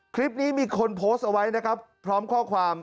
คลิปนี้มีคนโพสต์เอาไว้นะครับพร้อมข้อความ